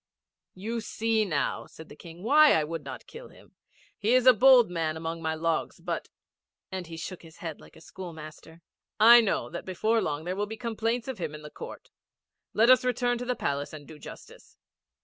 'You see now,' said the King, 'why I would not kill him. He is a bold man among my logs, but,' and he shook his head like a schoolmaster, 'I know that before long there will be complaints of him in the court. Let us return to the Palace and do justice.'